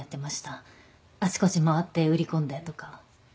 あちこち回って売り込んでとか。